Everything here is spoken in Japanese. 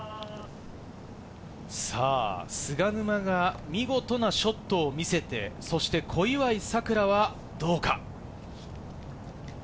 菅沼が見事なショットを見せて、そして小祝さくらはどうか？